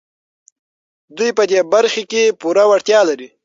دوی په دې برخه کې پوره وړتيا لري.